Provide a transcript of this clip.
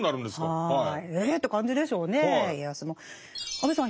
安部さん